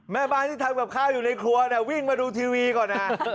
แม่บ้านที่ทำกับข้าวอยู่ในครัววิ่งมาดูทีวีก่อนนะ